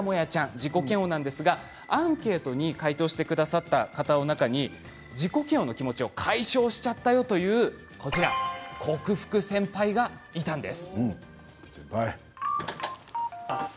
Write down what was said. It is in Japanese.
自己嫌悪なんですがアンケートに回答してくださった方の中に自己嫌悪の気持ちを解消しちゃったという克服センパイがいたんです。